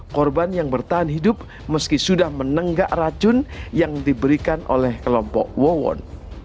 korban yang bertahan hidup meski sudah menenggak racun yang diberikan oleh kelompok wawon